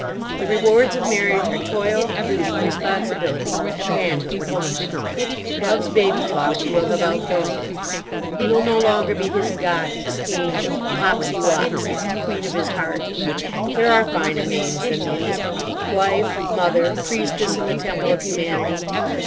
The rewards of marriage are toil, duty, responsibility—manhood, womanhood. Love's baby talk you will have outgrown. You will no longer be his 'Goddess,' 'Angel,' 'Popsy Wopsy,' 'Queen of his heart.' There are finer names than these: wife, mother, priestess in the temple of humanity.